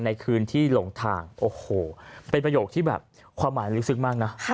ในคืนที่หลงทางโอ้โหเป็นประโยคที่แบบความหมายลึกซึ้งมากนะ